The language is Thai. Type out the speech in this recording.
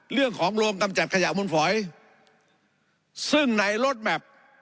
เลือกของโรงกำจัดขยะมุณฝอยซึ่งในโรจแม็พ